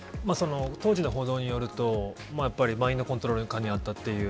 当時の報道によるとやっぱりマインドコントロール下にあったという。